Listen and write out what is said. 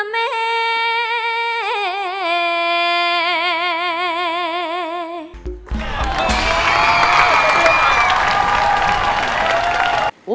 มือเย็น